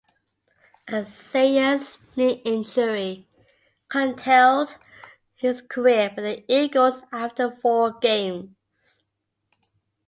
A serious knee injury curtailed his career with the Eagles after four games.